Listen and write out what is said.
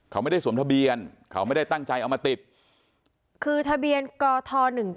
เขาไม่ได้สวมทะเบียนเขาไม่ได้ตั้งใจเอามาติดคือทะเบียนกท๑๙